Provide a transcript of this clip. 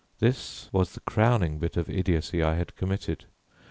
This was the crowning bit of idiocy I had committed.